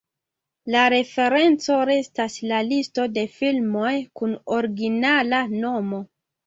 La referenco restas la Listo de Filmoj kun originala nomo.